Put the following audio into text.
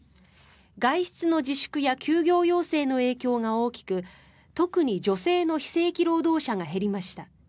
外出の自粛や休業要請の影響が大きく特に女性の非正規労働者が減りました。